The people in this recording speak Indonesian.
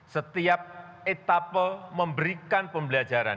setiap etapa memberikan pembelajaran